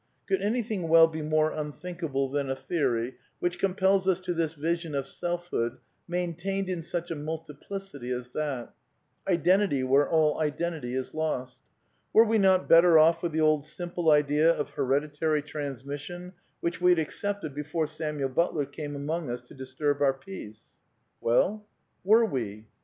Could anything well be more unthink PAN PSYCHISM OF i^ftMUEL BUTLER 26 able than a theory j^vhich compels us to this vision of self hood maintained iifj^uch a multiplicity as that i Identity where all identity is lost? Were we not better off wili the old simple idea of hereditary transmission which we had accepted before Samuel Butler came among us to dis^ turb our peace ? Well — were we